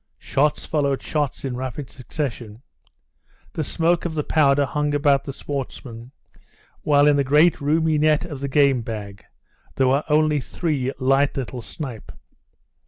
Shots followed shots in rapid succession. The smoke of the powder hung about the sportsmen, while in the great roomy net of the game bag there were only three light little snipe.